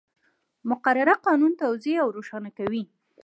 مقرره قانون توضیح او روښانه کوي.